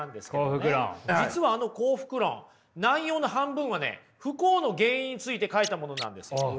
実はあの「幸福論」内容の半分はね不幸の原因について書いたものなんですよ。